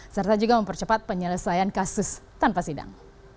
serta juga mempercepat penyelesaian kasus tanpa sidang